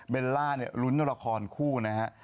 เบลล่าเนี่ยลุ้นกับละครคู่นะครับ